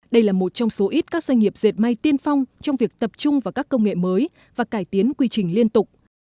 đây là một trong số ít các doanh nghiệp dệt may tiên phong trong việc tập trung vào các công nghệ mới và cải tiến quy trình liên tục